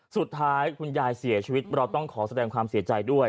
สุดท้ายคุณยายเสียชีวิตเราต้องขอแสดงความเสียใจด้วย